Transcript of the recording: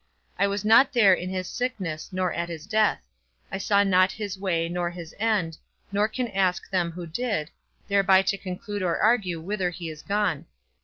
I was not there in his sickness, nor at his death; I saw not his way nor his end, nor can ask them who did, thereby to conclude or argue whither he is gone.